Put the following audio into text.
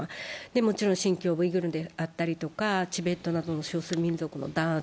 もちろん新疆ウイグル自治区であったりチベットなどの少数民族の弾圧。